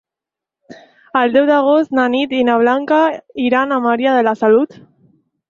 El deu d'agost na Nit i na Blanca iran a Maria de la Salut.